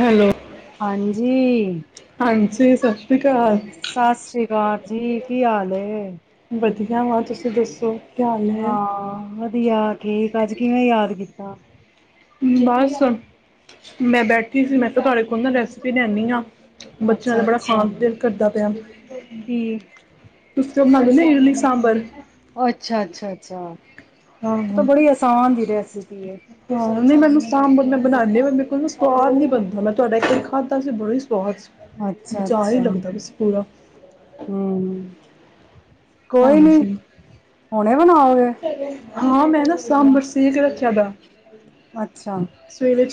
Hello, ਹਾਂਜੀ, ਹਾਂਜੀ ਸਤਿ ਸ਼੍ਰੀ ਅਕਾਲ, ਸਤਿ ਸ੍ਰੀ ਅਕਾਲ ਜੀ, ਕੀ ਹਾਲ ਐ? ਵਧੀਆ ਵਾ, ਤੁਸੀਂ ਦੱਸੋ? ਕੀ ਹਾਲ ਹੈ ਹਾਂ ਵਧੀਆ ਠੀਕ ਅੱਜ ਕਿਵੇਂ ਯਾਦ ਕੀਤਾ ਬਸ ਮੈਂ ਬੈਠੀ ਸੀ ਮੈਂ ਤਾਂ ਤੁਹਾਡੇ ਦਾ ਰੈਸਿਪੀ ਲੈਂਦੀ ਹਾਂ ਬੱਚਿਆਂ ਦਾ ਬੜਾ ਅੱਛਾ-ਅੱਛਾ, ਖਾਣਿ ਦਾ ਦਿਲ ਕਰਦਾ ਪਿਆ ਕੀ ਨਾਲੇ ਇਡਲੀ ਸਾਂਾਬਾਰ ਅੱਛਾ ਅੱਛਾ ਅੱਛਾ ਹਾਂ ਉਹ ਤਾਂ ਬੜੀ ਆਸਾਨ ਦੀ ਰੈਸੀਪੀ ਸੀ ੀ ਹਾਂ ਨਹੀਂ ਮੈਨੂੰ ਸਾਂਬਰ ਮੈਂ ਬਣਾਉਂਦੀ ਮਰੇ ਕੋ ਸਵਾਦ ਨੀ ਬਣਦੀ ਮੈਂ ਤੁਹਾਡਾ ਖਾਧਾ ਸੀ ਬੜੀ ਸੁਆਦ ਸਵਾਦ ਬਜਾਰੀ ਅੱਛਾ-ਅੱਛਾ, ਲੱਗਦਾ ਪਿਆਸੀ ਪੂਰਾ ਹੂੰ, ਕੋਈ ਨੀ ਹਾਂਜੀ ਹੁਣੇ ਬਣਾਓਗੇ ਹਾਂ ਮੈਂ ਨਾ ਸਾਂਬਰ ਸੀਖ ਰੱਖਿਆ ਦਾ ਅੱਛਾ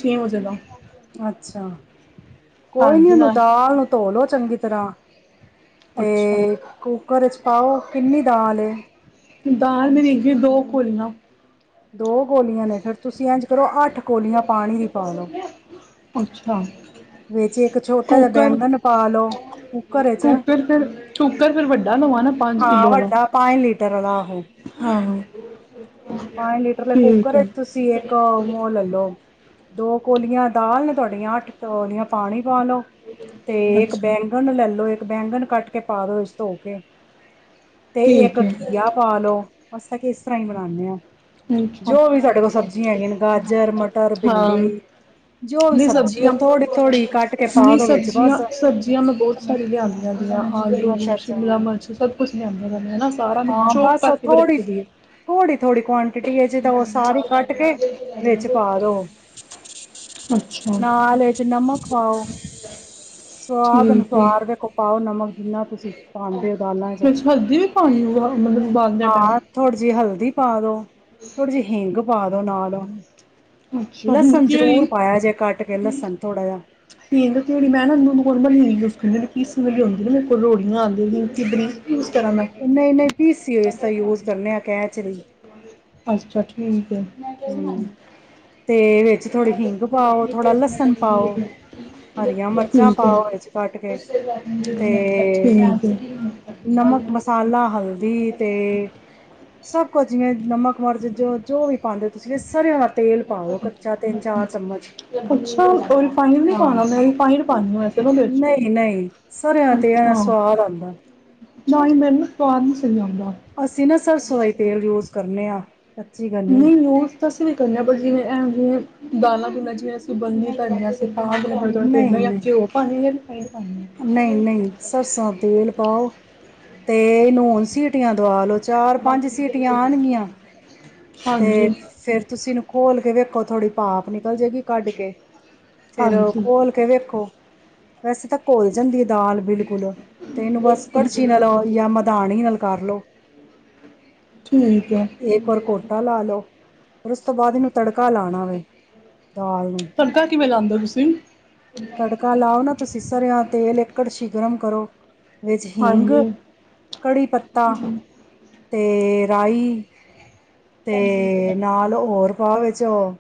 ਕੀਂ ਹੋਜ ਜਾਏ ਗਾ ਅੱਛਾ ਕੋਈ ਨੀ ਹਾਂਜੀ ਉਹਨੂੰ ਨਾਲ ਦਾਲ ਨੂੰ ਧੋ ਲੋ ਚੰਗੀ ਸ ਤਰਾ ਅੱਛਾ ਤੇ ਕੂਕਰ ਚ ਓਹ ਕਿੰਨੀ ਦਲ ਏ ਦਾਲ ਮਿਲ਼ੀ ਸੀ ਦੋ ਕੋਲਿਆ ਦੋ ਕੋਲੀਆਂ ਨੇ ਫਿਰ ਤੁਸੀਂ ਇੰਝ ਕਰੋ ਅੱਠ ਕੋਲੀਆਂ ਪਾਣੀ ਦੀ ਪਾ ਲਓ ਅੱਛਾ। ਵਿੱਚ ਇੱਕ ਛੋਟਾ ਜਿਹਾ ਕੁੱਕਰ ਬੈਂਗਣ ਪਾ ਲੋ ਕੁੱਕਰ ਚ ਫਿਰ ਕੁੱਕਰ ਫਿਰ ਵੱਡਾ ਲਵਾਂ ਨਾ ਪੰਜ ਹਾਂ ਵੱਡਾ ਪੰਜ ਲੀਟਰ ਵਾਲਾ [unintelligible] [unintelligible] ਹਾਜੀ ਪੰਜ ਲੀਟਰ ਦੇ ਕੂੱਕਰ ਤੁਸੀਂ ਇੱਕ ਮੋਲ ਲੈ ਲੋ ਦੋ ਕੋਲੀਆਂ ਦਾਲ ਨੇ ਤੁਹਾਡੀਆਂ ਅੱਠ ਕੋਲੀਆਂ ਪਾਣੀ ਲੋ ਤੇ ਇੱਕ ਅੱਛਾ ਬੈਂਗਣ ਲੈਲੋ ਇੱਕ ਬੈਂਗਣ ਕੱਟ ਕੇ ਪਾ ਦੋ ਵਿਚ ਧੋ ਕੇ ਤੇ ਇੱਕ ਠੀਕ ਹੈ। ਘਿਅ ਪਾਾਲੋ ਅ ਕਿਸ ਤਰ੍ਹਾਂ ਹੀ ਬਨਾਉਂਦੇ ਹਾਂ ਅਾ ਜੋ ਵੀ ਸਾਡੇ ਕੋਲ ਸਬਜ਼ੀਆਂ ਹੈਗੀਆਂ ਨੇ ਗਾਜਰ ਮਟਰ ਹਾਂ ਭਿੰਡੀ ਜੋ ਵੀ ਨਹੀਂ ਸਬਜ਼ੀ ਉਹ ਸਬਜ਼ੀਆਂ ਥੋੜ੍ਹੀ-ਥੋੜ੍ਹੀ ਕੱਟ ਕੇ ਪਾ ਨਹੀਂ ਦੋ ਵਿੱਚ ਸਬਜ਼ੀਆਂ ਬਸ। ਸਬਜ਼ੀਆਂ ਮੈਂ ਬਹੁਤ ਸਾਰੀਆਂ ਲਿਆਂਦੀਆਂਆਂ ਆਲੂ ਅੱਛਾ-ਅੱਛਾ। ਸ਼ਿਮਲਾ ਮਿਰਚ ਸਭ ਕੁਛ ਲਿਆਦੀ ਨਾ ਹਨਾ ਹਾਂ ਬਸ ਥੋੜ੍ਹੀ ਥੋੜੀ ਥੋੜੀ ਕੁਆਂਟਿਟੀ ਤਾਂ ਉਹ ਸਾਰੀ ਕੱਟ ਕੇ ਵਿੱਚ ਪਾ ਦੋ ਅੱਛਾ। ਨਾਲ ਵਿੱਚ ਨਮਕ ਪਾਓ ਸਵਾਦ ਠੀਕ ਹੈ ਅਨੁਸਾਰ ਦੇੇਖੋ ਪਾਓ ਨਮਕ ਜਿੰਨਾ ਤੁਸੀਂ ਪਾਉਦੇ ਹੋ ਦਾਲਾਂ ਚ ਵਿੱਚ ਹਲਦੀ ਹਾਂ ਥੋੜ੍ਹੀ ਜਿਹੀ ਹਲਦੀ [unintelligible] ਪਾ ਦੋ ਥੋੜੇ ਜਿਹੇ ਹਿੰਗ ਪਾ ਦੋ ਨਾਲ ਅੱਛਾ। ਹਿੰਦ ਲਸਣ ਜ਼ਰੂਰ ਕੀ ਪਾਇਆ ਜੇ ਕੱਟ ਕੇ ਲਸਣ ਥੋੜ੍ਹਾ ਜਾਿ ਦਾੜ ਮੈਂ ਨਾੂੰ ਯੂਜ ਕਰਦੀ ਇਸ ਵ ਆਉਦੀ ਨਾ ਮੇਰੇ ਕੋਲ ਰੋੜੀਆਂ ਆਉਂਦੀ ਕਿੱਧਰੀ [inaudible] ਇੰਨਾ ਇੰਨਾ ਹੀ ਪੀਸੀਓ ਇਸਦਾ ਯੂਜ ਕਰਨੇ ਆ ਕੈਚ ਦੀ ਅੱਛਾ ਠੀਕ ਹੈ ਠੀਕ ਹਮ ਤੇ ਥੋੜ੍ਹੀ ਹਿੰਗ ਪਾਓ ਥੋੜਾ ਹੈ। ਲਸਣ ਪਾਓ ਹਰੀਆਂ ਮਿਰਚਾਂ ਪਾਓ ਇਹ ਚ ਕੱਟ ਕੇ ਤੇ ਠੀਕ ਹੈ। ਨਮਕ ਮਸਾਲਾ ਹਲਦੀ ਤੇ ਸਭ ਕੁਛ ਜਿਵੇਂ ਨਮਕ ਮਰਜ ਜੋ ਜੋ ਵੀ ਪਾਉਂਦੇ ਹੋ ਤੁਸੀਂ ਇਹ ਸਾਰੇ ਹ ਤੇਲ ਪਾਓ ਕੱਚਾ ਤਿੰਨ ਚਾਰ ਚਮਚ ਅੱਛਾ ਉਹ ਰਿਫਾਈਡ ਨਹੀਂ ਹਾਂ ਪਾਉਣਾ ਮੈਂ ਰਿਫਾਈਡ ਪਾਉਂਦੀ ਵੈਸੇ ਨਾ ਉਹਦੇ ਵਿੱਚ। ਨਹੀਂ ਨਹੀਂ ਸਰਿਆ ਤੇ ਐ ਸਵਾਦ ਆਉਂਦਾ ਨ ਹੀ ਮਿਲਨ ਅਸੀਂ ਨਾ ਸਰਸੋਂ ਦਾ ਤੇਲ ਯੂਜ ਕਰਨੇ ਹਾਂ ਨਹੀਂ ਯ ਤਾਂ ਅਸੀਂ ਵੀ ਕਰੇ ਹ ਪਰ ਜਿਵੇਂ ਜਿਹੇ ਦਾਨਾਂ ਪੀ ਜਿਵੇਂ ਸੰਬੰਧਿਤ ਤਾਂ ਹੇ ਦੋੜੇ ਤੇ ਨਹੀਂ ਇਹਨ ਨਹੀਂ ਘਿਓ ਪਾਉਣੀ ਹੈ [unintelligible] ਨਹੀਂ ਨਹੀਂ ਸਰਸਾ ਤੇਲ ਪਾਓ ਤੇ ਇਹਨੂੰ ਹਣ ਸੀਟੀਆਂ ਦਵਾ ਲਓ ਚਾਰ ਪੰਜ ਸੀਟੀਆਂ ਆਣਗੀਆਂ ਹਾਂਜੀ ਤੇ ਫੇਰ ਤੁਸੀਂ ਘੋਲ ਕੇ ਵੇਖੋ ਥੋੜ੍ਹੀ ਪਾਪ ਨ ਬਦਲ ਜੇਗੀ ਕੱਢ ਕੇ ਫਿਰ ਹਾਂਜੀ ਘੋਲ ਕੇ ਵੇਖੋ ਵੈਸੇ ਤਾਂ ਕੋਲ ਜਾਂਦੀ ਦਾਲ ਬਿਲਕੁਲ ਤੇ ਇਹਨੂੰ ਬਸ ਕੜਛੀ ਨਾਲੋਂ ਜਾਂ ਮਦਾਨ ਨਾਲ ਕਾਰਲੋ ਠੀਕ ਹੈ ਲੋ ਫਰ ਉਸ ਤੋਂ ਬਾਅਦ ਇਹਨੂੰ ਤੜਕਾ ਲਾਉਣਾ ਵੇ ਦਾਲ ਨੂੰ ਤੜਕਾ ਕਿਵੇਂ ਲਾਉਂਦੇ ਹੋ ਤੁਸੀਂ ਤੜਕਾ ਲਾਓ ਨਾ ਤੁਸੀਂ ਸਰਿਆ ਤੇਲ ਇਕੜ ਸ਼ੀਗਰਮ ਕਰੋ ਵਿੱਚ ਹਿੰਗ ਹਾਂਜੀ ਕੜੀ ਪੱਤਾ ਤੇ ਰਾਈ ਤੇ ਨਾਲ ਹੋਰ ਹਾਂ ਵਿੱਚ ਉਹ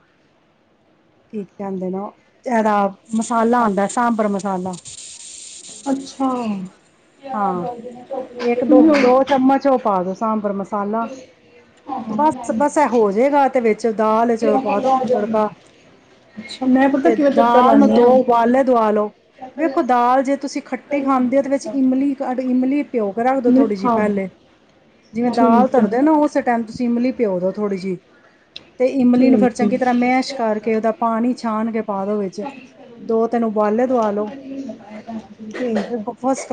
ਠੀਕ ਤੇ ਆਂਦੇ ਨਾ, ਏਦਾ ਮਸਾਲਾ ਆਂਦਾ ਏ, ਸਾਂਬਰ ਮਸ ਸਾਲਾ ਅੱਛਾ। ਹਾਂ ਇੱਕ ਦੋ, ਦੋ ਚਮਚ ਉਹ ਪਾ ਦੋ ਸਾਂਬਰ ਮਸ ਮਸਾਲਾ, ਬਸ-ਬਸ ਇਹ ਹੋ ਜਾਏਗਾ ਤੇ ਵਿੱਚ ਦਾਲ ਚ ਪਾ ਦੋ ਤੜਕਾ, ਅੱਛਾ ਮੈਂ ਪਤਾ ਤੇ ਕਿਵੇਂ ਤੜਕਾ ਦਾਲ ਨੂੰ ਲਾਉਂਦੀ ਦੋ ਹਾਂ ਉਬਾਲੇ ਦਵਾਲੋ, ਵੇਖੋ ਦਾਲ ਜੇ ਤੁਸੀਂ ਖੱਟੀ ਖਾਂਦੇ ਹੋ ਉਹਦੇ ਵਿੱਚ ਇਮਲੀ ਕੱਢ, ਇਮਲੀ ਪਿਓ। ਰੱਖ ਦੌ ਮੈਂ ਥੋੜ੍ਹੀ ਜਿਹੀ ਹਾਂ ਪਹਿਲੇ, ਜਿਵੇਂ ਦਾਲ ਠੀਕ ਤਰਦੇ ਨਾ ਹੈ ਉਸੇ ਟਾਈਮ ਤੁਸੀਂ ਇਮਲੀ ਪਿਓ ਦੋ ਥੋੜ੍ਹੀ ਜਿਹੀ। ਤੇ ਇਮਲੀ ਨੂੰ ਫਿਰ ਠੀਕ ਚੰਗੀ ਤਰ੍ਹਾਂ ਮੈਸ਼ ਕਰਕੇ ਉਹਦਾ ਹੈ ਪਾਣੀ ਛਾਣ ਕੇ ਪਾ ਦੋ ਵਿੱਚ, ਦੋ ਤਿੰਨ ਉਬਾਲੇ ਦਵਾ ਲੋ, ਵੇਖੋ ਫਸ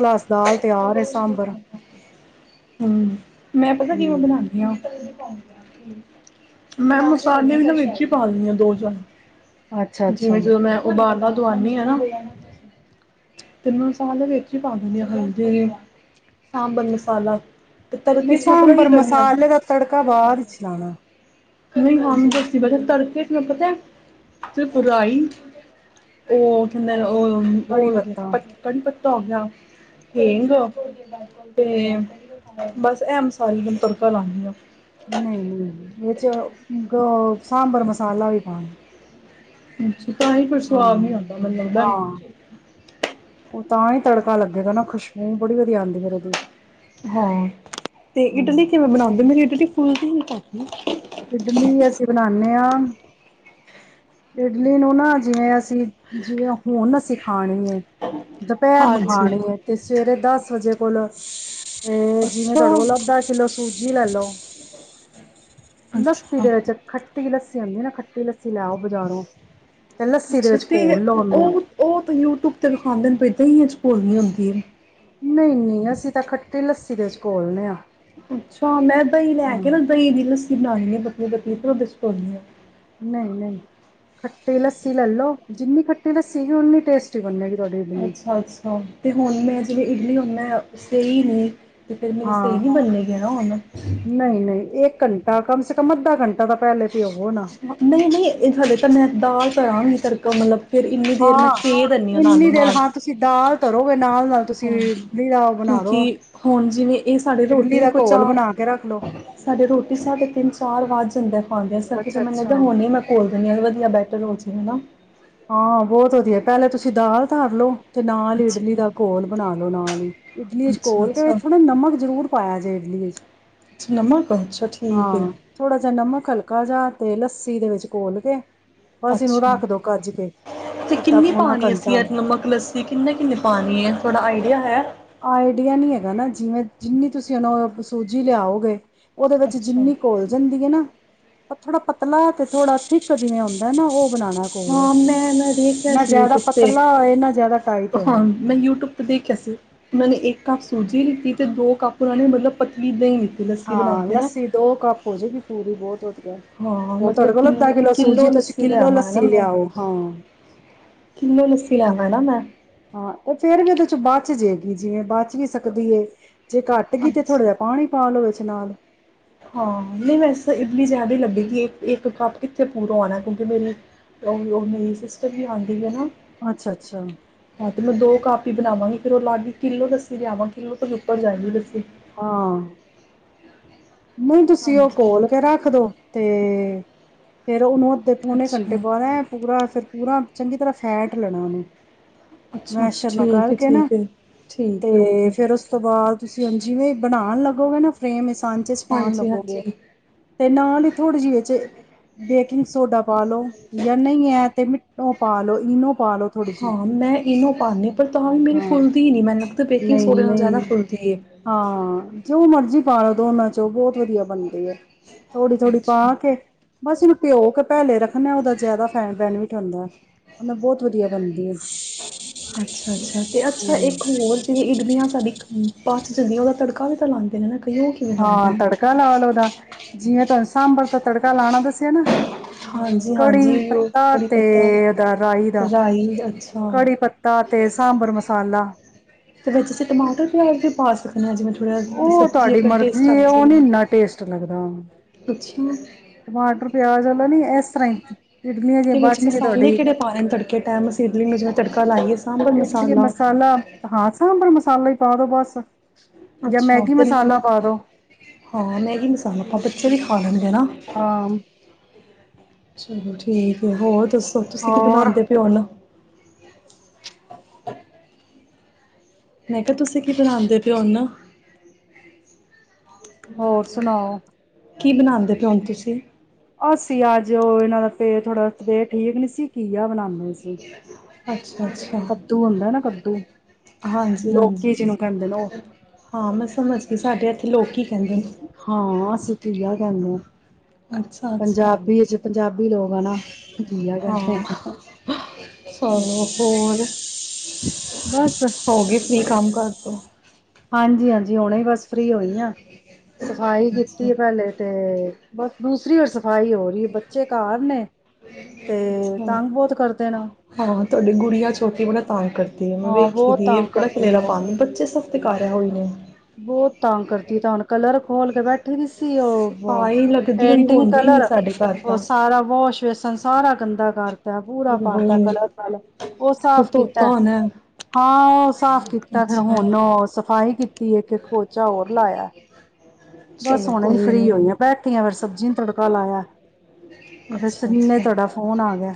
ਹਮ, ਮੈਂ ਪਤਾ ਕਿਵੇਂ ਹੂੰ। ਬਣਾਉਂਦੀ ਹਾਂ? ਮੈਂ ਮੁਸ ਸਾਂਬਰ ਦੇ ਵਿੱਚ ਹੀ ਪਾਨੀ ਹਾਂ ਦੋ ਚਮਚ, ਅੱਛਾ-ਅੱਛਾ ਜਿਵੇਂ ਜਦੋਂ ਨਹੀਂ ਮੈਂ ਉਬਾਲਨਾ ਦਵਾਨੀ ਆ ਨਾ, ਤੇ ਮਸਾਲੇ ਵਿੱਚ ਹੀ ਪਾ ਦਿੰਣੀ ਹਾਂ [unintelligible] ਸਾਂਬਰ ਮਸਾਲਾ। ਤੇ ਮੈਂ ਤੜਕੇ 'ਚ ਪਤਾ ਕੀ ਸਾਂਬਰ ਕਰਨੀ ਆ ਮਸਾਲੇ ਦਾ ਤੜਕਾ ਬਾਅਦ ਚ ਲਾਣਾ। ਨਹੀਂ ਹਾਂ ਮੈਂ ਦੱਸਦੀ ਬਈ ਹਾਂ, ਤੜਕੇ ਚ ਮੈਂ ਪਤਾ ਏ? ਸਿਰਫ ਰਾਈ, ਉਹ ਕਹਿੰਦੇ ਨੇ ਕੜੀ ਔਰ ਪੱਤਾ ਪਤ ਕੜੀ ਪਤ ਤੋਂ ਹੋ ਗਿਆ, ਹਿੰਗ ਤੇ ਬਸ ਏਹ ਮਸਾਲੇ ਨੂੰ ਤੜਕਾ ਲਾਨੀ ਆ। ਨਹੀਂ-ਨਹੀਂ ਇਹ ਚ ਗ ਸਾਂਬਰ ਮਸਾਲਾ ਵੀ ਪਾਣਾ। ਹਮ। ਅੱਛਾ ਤਾਂ ਹੀ ਕੋਈ ਹਾਂ, ਸੁਆਦ ਨਹੀਂ ਆਉਂਦਾ, ਮੈਨੂੰ ਲੱਗਦਾ ਹਾਂ ਏ। ਉਹ ਤਾਂ ਹੀ ਤੜਕਾ ਲੱਗੇਗਾ ਨਾ, ਖੁਸ਼ਬੂ ਬੜੀ ਵਧੀਆ ਆਂਦੀ ਫਿਰ ਉਹਦੀ। ਹਾਂ, ਤੇ ਇਡਲੀ ਹੂੰ, ਕਿਵੇਂ ਬਣਾਉਂਦੇ? ਮੇਰੀ ਇਡਲੀ ਫੁੱਲਦੀ ਨੀ ਪਰ [unintelligible] ਇਡਲੀ ਅਸੀਂ ਬਣਾਣੇ ਹਾਂ ਇਡਲੀ ਨੂੰ ਨਾ ਜਿਵੇਂ ਅਸੀਂ ਜਿਵੇਂ ਹੁਣ ਅਸੀਂ ਖਾਣੀ ਏ ਦੁਪਹਿਰ ਨੂੰ ਹਾਂਜੀ। ਖਾਣੀ ਏ, ਤੇ ਸਵੇਰੇ ਦਸ ਵਜੇ [unintelligible] ਤੇ ਜਿਵੇਂ ਤੁਹਾਡੇ ਅੱਛਾ। ਕੋਲ ਅੰਦਾ ਕਿੱਲੋ ਸੂਜੀ ਲੇਲੋ। ਨਕ [unintelligible] ਅੱਛਾ। ਚ ਖਟ ਖੱਟੀ ਲੱਸੀ ਆਂਦੀ ਹੈ ਨਾ ਖੱਟੀ ਲੱਸੀ ਲੇ ਆਓ। ਬਜਾਰੋ। ਅੱਛਾ, ਤੇ ਓਹ ਓਹ ਤਾਂ ਯੂਟਿਊਬ ਤੇ ਦਿਖਾਂਦੇ ਨੇ ਵਈ ਦਹੀ ਚ [unintelligible] ਹੁੰਦੀ ਏ। ਨਹੀਂ ਨਹੀਂ ਅਸੀਂ ਤਾਂ ਖੱਟਾ ਅੱਛਾ ਮੈਂ ਦਹੀਂ ਲੈ ਕੇ ਨਾ ਹਾਂ। ਦਹੀਂ ਦੀ ਲੱਸੀ ਬਣਾਣੀ ਆਂ ਪਤਲੀ ਪਤਲੀ ਤੇ ਦੁੱਧ ਚ ਪਾਉਣੀ ਆ। ਨਹੀਂ ਨਹੀਂ, ਖੱਟੀ ਲੱਸੀ ਲੈ ਲੋ ਜਿੰਨੀ ਖੱਟੀ ਲੱਸੀ ਹੋਏਗੀ ਉਨੀ ਟੇਸਟੀ ਬਨੇਗੀ। ਅੱਛਾ ਅੱਛਾ, ਤੇ ਹੁਣ ਮੈਂ ਜਿਵੇਂ ਇਡਲੀ ਹੁਨ ਮੈਂ ਸਹੀ ਨੇ ਤੇ ਫਿਰ ਮੇਰੀ ਸਹੀ ਹਾਂ ਨਹੀਂ ਬਣੇ ਗੀ ਨਾ ਹੁਣ। ਨਹੀਂ ਨਹੀਂ ਇੱਕ ਘੰਟਾ ਕਮ ਸੇ ਕਮ ਅੱਧਾ ਘੰਟਾ ਤਾਂ ਪਹਿਲੇ ਭਿਓਵੋ ਨਾ ਮਤਲਬ, ਨਹੀਂ ਨਹੀਂ ਹਾਲੇ ਤਾਂ ਮੈਂ ਦਾਲ ਆ ਨਹੀਂ ਤੜਕਾ ਮਤਲਬ ਫਿਰ ਇੰਨੀ ਦੇਰ ਮੈਂ ਹਾਂ, ਦੇ ਦਿੰਨੀ ਆ ਇੰਨੀ ਨਾਲੋਂ ਦੇਰ ਨਾਲ। ਹਾਂ ਤੁਸੀਂ ਦਾਲ ਧਰੋਗੇ ਨਾਲ ਨਾਲ ਤੁਸੀਂ ਹਾਂ। [unintelligible] ਬਣਾ ਦੋ। ਜਿਵੇੰ ਇਹ ਸਾਡੀ ਰੋਟੀ ਇਡਲੀ ਦੇ ਦਾ ਕੋਈ ਘੋਲ ਚਾਰ, ਬਣਾ ਕੇ ਰੱਖ ਲੋ ਸਾਡੀ ਰੋਟੀ ਸਾਡੇ ਤਿੰਨ ਸਾਲ ਬਾਦ [unintelligible] [unintelligible] ਸਕੀ ਤੇ ਅੱਛਾ ਮੈਨੂੰ ਲਗਿਆ ਅੱਛਾ ਹੁਣੇ ਮੈਂ ਘੋਲ ਦਿੰਦੀ ਹਾਂ ਵਧੀਆ ਬੈਟਰ ਹੋ ਜਾ ਹਾਂ ਬਹੁਤ ਵਧੀਆ ਪਹਿਲੇ ਤੁਸੀਂ ਦਾਲ ਧਰ ਲੋੋ। ਤੇ ਨਾਲ ਹੀ ਅੱਛਾ, ਇਡਲੀ ਦਾ ਘੋਲ ਬਣਾ ਲੋ ਨਾਲ ਹੀ ਇਡਲੀ ਚ ਅੱਛਾ, ਘੋਲ ਕੇ ਅੱਛਾ, ਥੋੜਾ ਨਮਕ ਜ਼ਰੂਰ। ਇਡਲੀ ਵਿਚ ਅੱਛਾ ਨਮਕ ਅੱਛਾ ਠੀਕ ਹੈ। ਹਾਂ, ਥੋੜਾ ਜਿਹਾ ਨਮਕ, ਹਲਕਾ ਜਿਹਾ। ਤੇ ਲੱਸੀ ਦੇ ਵਿੱਚ ਘੋਲ ਕੇ। ਬਸ ਇਨੂੰ ਅੱਛਾ ਰੱਖ ਦੋ ਕੱਜ ਕੇ ਤੇ ਅੱਧਾ ਕਿੰਨੀ ਪੌਣਾ ਪਾਉਣੀ ਅਸੀਂ ਘੰਟਾ ਏ ਨਮਕ ਲੱਸੀ ਕਿੰਨਾ ਕਿੰਨੀ ਪਾਣੀ ਹੈ, ਥੋੜਾ ਆਈਡੀਆ ਹੈ? ਆਈਡੀਆ ਨੀ ਹੈਗਾ ਨਾ, ਜਿਵੇਂ ਜਿੰਨੀ ਤੁਸੀਂ ਉ ਸੂਜੀ ਲਏ ਆਓਗੇ। ਔਦੇ ਵਿੱਚ ਅੱਛਾ ਜਿਨੀ ਘੋਲ ਜਾਂਦੀ ਹੈ ਨਾ। ਪਰ ਥੋੜਾ ਪਤਲਾ ਤੇ ਥੋੜਾ ਥਿਕ 'ਚ ਜਿਵੇਂ ਹੁੰਦਾ ਨਾ ਉਹ। ਬਣਾਉਣਾ ਘੋਲ ਹਾਂ ਮੈਂ, ਮੈਂ ਦੇਖਆਂ ਨਾ ਸੀ ਜ਼ਿਆਦਾ ਯੂਟਿਊਬ ਤੇ। ਪਤਲਾ ਹੋਏ ਨਾ ਜ਼ਿਆਦਾ ਟਾਈਟ ਹਾਂ ਹੋਏ ਮੈਂ ਯੂਟਿਊਬ ਤੇ ਦੇਖਿਆ ਸੀ ਉਹਨਾਂ ਨੇ ਇੱਕ ਕੱਪ ਸੂਜੀ ਲਿੱਤੀ ਤੇ ਦੋ ਕੱਪ ਉਹਨਾਂ ਨੇ ਮਤਲਬ ਪਤਲੀ ਦਹੀਂ ਲਿੱਤੀ ਲੱਸੀ ਬਣਾ ਹਾਂ ਕੇ ਨਾ। ਲੱਸੀ ਦੋ ਕੱਪ ਹੋ ਜਾਏਗੀ ਪੂਰੀ ਬੋਤ ਵਧੀਆ ਹਾਂ ਹੁਨ ਮਤਲਬ ਤੁਹਾਡੇ ਕੋਲ ਅੱਧਾ ਕਿੱਲ ਕਿਲੋ ਸੂਜੀ ਕਿੱਲੋ ਤੁਸੀਂ ਲੱਸੀ ਕਿੱਲੋ ਲਿਆਵਾਂ ਲੱਸੀ ਲਿਆਓ ਕਿਲੋ ਲੱਸੀ ਲੇ ਆਵਾਂ ਨਾ ਮੈਂ? ਹਾਂ ਤੇ ਫੇਰ ਵੀ ਉਹਦੇ ਚੋਂ ਬਚ ਜੇਗੀ ਬਚ ਵੀ ਸਕਦੀ ਏ ਜੇ ਘੱਟ ਗਈ ਤੇ ਥੋੜਾ ਜਿਹਾ ਅੱਛਾ ਪਾਣੀ ਪਾਲੋ ਵਿਚ ਨਾਲ ਹਾਂ ਨਈ ਵੈਸੇ ਇਡਲੀ ਜਾਦਾ ਈ ਲਗੇਗੀ ਇੱਕ ਇਕ ਕੱਪ ਕਿੱਥੇ ਪੂਰਾ ਹੋਨਾ ਐ। ਕਿਉਂਕਿ ਮੇਰੀ ਓ ਉ ਮੇਰੀ ਸਿਸਟਰ ਵੀ ਆਨ [unintelligible] ਅੱਛਾ-ਅੱਛਾ ਰਾਤੀ ਮੈਂ ਦੋ ਕੱਪ ਬਨਾਵਾਂਗੀ ਫੇਰ ਉਹ ਲੱਗ ਈ ਕਿੱਲੋ ਦੱਸੀ ਲਿਆਵਾਂ ਕਿੱਲੋ ਤੋ ਉਹ [unintelligible] ਲਸੀ। ਹਾਂ ਨਹੀਂ ਤੁਸੀਂ ਉਹ ਕੋਲ ਕੇ ਰੱਖ ਦੋ। ਤੇ ਫੇਰ ਉਹਨੂੰ ਅਧ ਅੱਧੇ ਪੌਣੇ ਘੰਟੇ ਅੱਛਾ ਬਾਦ ਐ ਪੂਰਾ ਅਸਰ ਪੂਰਾ ਚੰਗੀ ਤਰ੍ਹਾਂ ਫੈਟ ਲੈਣਾ ਉਹਨੂੰ ਅੱਛਾ ਅੱਛਾ ਮੈਸ਼ਰ ਨਾ ਠੀਕ ਕਰ ਹੈ ਕੇ ਨਾ, ਠੀਕ ਹੈ ਠੀਕ ਹੈ ਤੇ ਓਕੇ ਫੇਰ ਉਸ ਤੋਂ ਬਾਅਦ ਤੁਸੀਂ ਅੰ ਜਿਵੇਂ ਬਣਾਨ ਲਗੋਗੇ ਨਾ ਫਰੇਮ ਸਾਂਚਾ ਪਾਨ ਹਾਂਜੀ ਲੱਗੋਗੇ। ਹਾਂਜੀ ਤੇ ਨਾਲ ਈ ਥੋੜ੍ਹੀ ਜੀ ਏਚ ਬੇਕਿੰਗ ਸੋਡਾ ਪਾਲੋ ਯਾ ਨਈ ਐ ਤੇ ਮਿੱਠ ਉਹ ਪਾ ਲੋ ਇਨੋ ਪਾ ਲੋ ਥੋੜ੍ਹੀ ਜਿਹੀ ਹਾਂ, ਮੈਂ ਇਨੋ ਪਾਂਨੀ ਪਰ ਤਾਂ ਵੀ ਮੇਰੀ ਹਾਂ ਫੁੱਲਦੀ ਨੀ ਮੈਨੂੰ ਬੇਕਿੰਗ ਨਹੀਂ, ਸੋਡੇ ਨਾਲ ਜ਼ਿਆਦਾ ਨਹੀਂ ਫੁੱਲਦੀ ਹੈ ਹਾਂ ਜੋ ਮਰ ਮਰਜ਼ੀ ਪਾ ਲੋ ਦੋਨਾਂ ਚੋਂ ਬੋਤ ਵਧੀਆ ਬਨਦੀ ਏ। ਥੋੜ੍ਹੀ, ਥੋੜੀ ਅੱਛਾ ਪਾ ਕੇ ਬਸ ਇਨੂੰ ਪਿਉਂ ਕੇ ਪਹਿਲੇ ਰੱਖਨਾਏ ਉਦਾ ਜਾਦਾ ਫੈ ਬੈਨੀਫਿਟ ਹੁੰਦਾ। ਮਲਬ ਬੋਤ ਵਧੀਆ ਬਨਦੀਏ। ਅੱਛਾ, ਅੱਛਾ ਤੇ ਅੱਛਾ ਇੱਕ ਹਮ ਹੋਰ ਤੇ ਇਕ ਦਿਨ ਨਾ ਸਾਡੀ [unintelligible] ਉਹਦਾ ਤੜਕਾ ਵੀ ਤਾਂ ਲਾਂਦੇ ਨੇ ਨਾ ਕਈ ਉਹ ਕਿਵੇਂ ਲਾਂਦੇ ਹਾਂ ਨੇ? ਤੜਕਾ ਲਾ ਲੋ ਓਦਾ। ਜਿਵੇ ਤੁਹਾਨੂੰ ਸਾਂਬਰ ਤ ਤੜਕਾ ਲਾਣਾ ਦੱਸਿਆ ਨਾ। ਹਾਂਜੀ, ਕੜੀ ਹਾਂਜੀ ਉਹ ਪੱਤਾ ਕੜੀ ਤੇ ਪਤਾ, ਉਹਦਾ ਰਾਈ ਦਾ ਰਾਈ ਅੱਛ ਕੜੀ ਪੱਤਾ ਤੇ ਸਾਂਬਰ ਮਸਾਲਾ। ਤੇ ਵਿਚ ਅਸੀਂ ਟਮਾਟਰ ਪਿਆਜ਼ ਵੀ ਪਾ ਸਕਦੇ ਹਾਂ ਜਿਵੇਂ ਥੋੜ੍ਹਾ ਜ ਉਹ ਸਬਜ਼ੀ ਤੁਹਾਡੀ ਆਪਣਾ ਟੇਸਟ ਮਰਜ਼ੀ ਆ ਹੈ ਉਹ ਨੀ ਜਯੇ। ਇੰਨਾ ਟੇਸਟ ਲੱਗਦਾ ਟਮਾਟਰ ਪਿਆਜ ਨੀ ਇਸ ਤਰ੍ਹਾਂ ਹੀ ਇਡਲੀਆਂ ਜਿਹੀ ਤੇ ਵਿੱਚ ਬਚ ਗਏ ਮਸਾਲੇ ਤੁਹਾਡੀ। ਕਿਹੜੇ ਪਾਣੇ ਨੇ ਤੜਕੇ ਟਾਈਮ ਅਸੀਂ ਇਡਲੀ ਨੂੰ ਜਿਵੇਂ ਤੜਕਾ ਲਾਈਏ ਸਾਂਬਰ ਇਡਲੀ ਮਸਾਲਾ ਹਾਂ ਸਾਂਭਰ ਮਸਾਲਾ ਹੀ [unintelligible] ਜਾਂ ਅੱਛਾ ਮੈਗੀ ਤੇ ਮਸਾਲਾ ਨਮਕ ਪਾ ਦੋ ਹਾਂ ਮੈਗੀ ਮਸਾਲਾ ਆਪ ਬੱਚੇ ਵੀ ਖਾ ਲੈਂਦੇ ਆ ਨਾ। ਹਾਂ ਚਲੋ ਠੀਕ ਹੋਰ। ਦੱਸੋ ਤੁਸੀਂ ਕੀ ਹੋਰ ਬਣਾਉਂਦੇ ਪਓ ਹੁਣ [inaudible] ਮੈਂ ਕਿਹਾ ਤੁਸੀਂ ਕੀ ਬਣਾਉਂਦੇ ਪਏ ਹੁਣ। ਹੋਰ ਸੁਣਾਓ। ਕੀ ਬਣਾਉਂਦੇ ਪਏ ਹੁਣ ਤੁਸੀਂ ਅਸੀਂ ਅੱਜ ਉਹ ਇਹਨਾਂ ਦਾ ਪੇਟ ਥੋੜਾ ਜਿਹਾ ਠੀਕ ਨੀ ਸੀ ਘੀਆ ਬਣਾਦੇ। [inaudible] ਅੱਛਾ ਅੱਛਾ ਕੱਦੂ ਹੁੰਦਾ ਨਾ ਕੱਦੂ ਹਾਂਜੀ ਲੋਕੀ ਹਾਂਜੀ ਜਿਹਨੂੰ ਕਹਿੰਦੇ ਨੇ ਉਹ ਹਾਂ ਮੈਂ ਸਮਝ ਗੀ ਸਾਡੇੱ ਅਏਥ ਲੋਕੀ। ਹਾਂ ਅਸੀਂ ਘੀਆ ਹੈਲੋ ਅੱਛਾ ਅੱਛਾ ਪੰਜਾਬੀ ਚ ਪੰਜਾਬੀ ਲੋਕ ਘੀਆ ਕਹਿੰਦੇ ਹਾਂ ਚਲੋ ਹੋਰ ਬਸ। ਤੇ ਹਾਂਜੀ ਹਾਂਜੀ ਆਉਣਾ ਹੀ ਬਸ। ਫ੍ਰੀ ਹੋਈਆਂ ਸਫ਼ਾਈ ਅੱਛਾ ਕੀਤੀ ਪਲੇ ਤੇ। ਬਸ ਦੂਸਰੀ ਵਾਰੀ ਸਫ਼ਾਈ ਹੋ ਰਹੀ ਹੈ ਬੱਚੇ ਘਰ ਨੇ। ਤੇ ਅੱਛਾ ਤੰਗ ਬਹੁਤ ਕਰਦੇ ਨੇ। ਹਾਂ ਤੁਹਾਡੀ ਗੁੜਿਆ ਛੋਟੀ ਬੜਾ ਤਾਂਗ- ਕਰਦੀ ਮੈਂ ਹਾਂ ਵੇਖੀ ਬਹੁਤ ਦੀ ਤੰਗ ਬੜਾ ਕਰਦੀ ਖਿਲੇਰਾ ਉਹ ਪਾਂਦੀ ਬੱਚੇ ਸਬ ਦੇ ਤੇ ਕਾਰਾ ਓਹੀ ਨੇ ਬਹੁਤ ਤੰਗ ਕਰਦੀ ਤਾਂ ਹੁਣ ਕਲਰ ਖੋਲ ਕੇ ਬੈਠੀ ਹੋ ਸੀ ਉਹ ਸਫਾਈ ਲੱਗਦੀ ਹੋਈ ਪੇਂਟਿੰਗ ਹੁੰਦੀ ਨਹੀਂ ਕਲਰ ਸਾਡੇ ਘਰ ਉਹ ਤਾਂ ਸਾਰਾ ਵਾਸ਼ ਵੇਸਨ ਸਾਰਾ ਸਾਰਾ ਗੰਦਾ ਕਾਰ ਤਾ ਪੂਰਾ ਕਰਤਾ ਹੋਏ ਕਲਰ ਕਾਲਾ ਉਹ ਸਾਰਾ ਫਿਰ ਸਾਫ਼ ਕੀਤਾ ਧੋਤਾ ਹੈ ਹੋਣਾ ਹਾ ਉ ਸਾਫ਼ ਕੀਤਾ ਫਿਰ ਅੱਛਾ ਹੁਣ ਸਫ਼ਾਈ ਕੀਤੀ। ਇੱਕ ਪੋਚਾ ਹੋਰ ਲਾਇਆ ਬਸ ਚਲੋ ਹੁਣੇ ਕੋਈ ਫ੍ਰੀ ਹੋਇ ਨਹੀਂ ਹੈ ਬੈਠੀ ਫਿਰ ਸਬਜ਼ੀਆਂ ਨੂੰ ਤੜਕਾ ਲਾਇਆ ਬਸ ਇਨੇ ਤੁਹਾਡਾ ਫੋਨ ਆ ਗਿਆ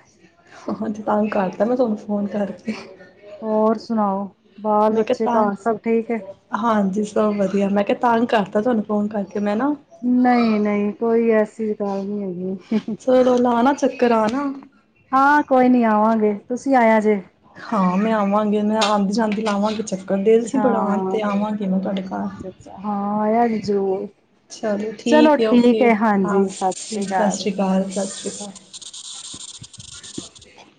ਹਹ ਤੇ ਤਾਂ ਕਰਤਾ ਮੈਂ ਤੁਹਾਨੂੰ ਫੋਨ ਕਰਕੇ ਹੋਰ ਸੁਣਾਓ ਬਾਲ ਮੈਂ ਕਿਹਾ ਬੱਚੇ ਘਰ ਤਾਂ ਸਭ ਠੀਕ ਹੈ ਹਾਂਜੀ ਸਭ ਵਧੀਆ ਮੈਂ ਕਿਹਾ ਤੰਗ ਕਰਤਾ ਤੁਹਾਨੂੰ ਫੋਨ ਕਰ ਨਹੀਂ ਨਹੀਂ ਕੋਈ ਐਸਾ [unintelligible] [inaudible] ਕਰਾਉਣਾ ਹਾਂ ਕੋਈ ਨੀ ਆਵਾਂਗੇ ਤੁਸੀਂ ਆਇਆ ਜੇ ਹਾਂ ਮੈਂ ਆਵਾਂਗੇ ਮੈਂ ਆਉਦੀ ਜਾਂਦੀ ਲਾਵਾਂਗੀ ਚੱਕ ਦਿਲ ਸੀ ਬੜਾਉਣ ਹਾਂ ਤੇ ਆਵਾਂਗੀ ਮੈਂ ਤੁਹਾਡੇ ਘਰ ਅੱਛਾ ਅੱਛਾ ਹਾਂ ਆਇਆ ਜ਼ਰੂਰ ਚਲੋ ਠੀਕ ਹੈ ਓਕੇ ਹਾਂ ਠੀ ਸਤਿ ਸ਼੍ਰੀ ਅਕਾਲ ਸਤਿ ਸ਼੍ਰੀ ਅਕਾਲ ਹ [unintelligible]